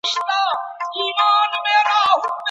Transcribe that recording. د بریا کیسه یوازي د با استعداده کسانو په اړه نه سي لیکل کېدلای.